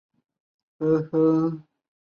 三毛央是日本女性插画家。